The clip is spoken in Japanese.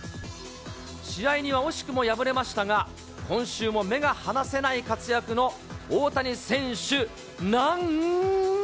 試合には惜しくも敗れましたが、今週も目が離せない活躍の大谷選手なん。